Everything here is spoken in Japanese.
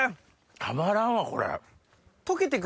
たまらんわこれ。